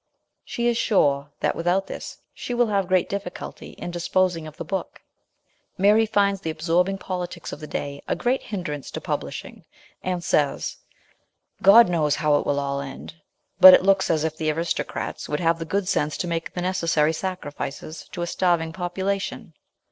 She is sure that without this she will have great difficulty in dis posing of the book. Mary finds the absorbing politics of the day a great hindrance to publishing, and says :" God knows how it will all end, but it looks as if the aristocrats would have the good sense to make the necessary sacrifices to a starving population."